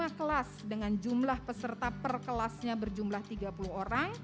lima kelas dengan jumlah peserta per kelasnya berjumlah tiga puluh orang